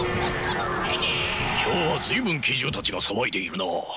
今日は随分奇獣たちが騒いでいるな。